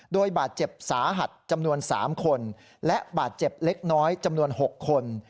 โดยบาดเจ็บสาหัสจำนวน๓คนและบาดเจ็บเล็กน้อยจำนวน๖คน